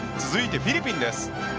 続いてフィリピンです。